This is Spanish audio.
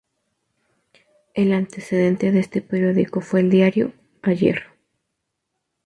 El antecedente de este periódico fue el diario "Ayer".